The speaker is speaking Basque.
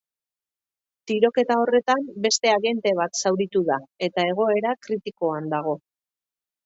Tiroketa horretan beste agente bat zauritu da, eta egoera kritikoan dago.